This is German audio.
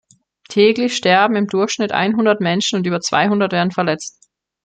Täglich sterben im Durchschnitt einhundert Menschen, und über zweihundert werden verletzt.